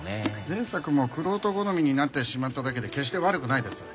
前作も玄人好みになってしまっただけで決して悪くないです。